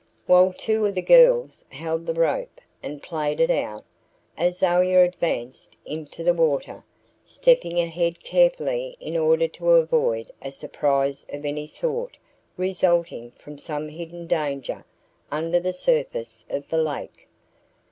While two of the girls held the rope and played it out, Azalia advanced into the water, stepping ahead carefully in order to avoid a surprise of any sort resulting from some hidden danger under the surface of the lake.